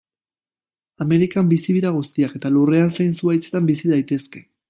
Amerikan bizi dira guztiak eta lurrean zein zuhaitzetan bizi daitezke.